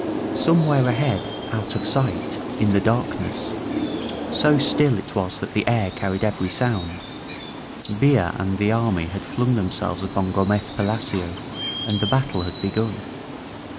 Somewhere ahead, out of sight, in the dark ness — ^so still it was that the air carried every sound — ^Villa and the army had flung themselves upon Go mez Palacio, and the battle had begun.